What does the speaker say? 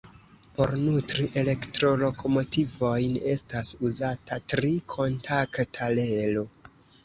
Por nutri elektrolokomotivojn estas uzata tri kontakta relo.